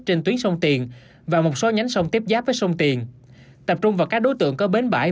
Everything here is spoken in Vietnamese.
trên tuyến sông tiền và một số nhánh sông tiếp giáp với sông tiền tập trung vào các đối tượng có bến bãi